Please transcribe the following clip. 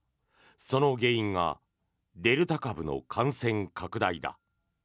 その原因がデルタ株の感染拡大だ。